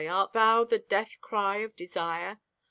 Art thou The death cry of desire?